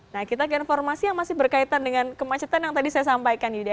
nah kita ke informasi yang masih berkaitan dengan kemacetan yang tadi saya sampaikan yuda